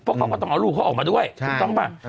เพราะเขาก็ต้องเอาลูกเขาออกมาด้วยถูกต้องป่ะ